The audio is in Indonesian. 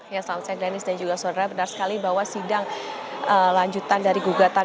yang selalu sejenis dan juga saudara benar sekali bahwa sidang lanjutan dari gugatan